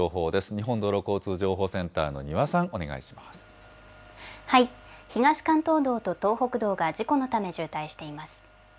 日本道路交通情報センターの丹羽東関東道と東北道が事故のため渋滞しています。